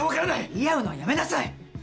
言い合うのはやめなさい。